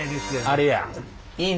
あれや。